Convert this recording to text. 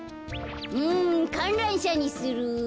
うんかんらんしゃにする。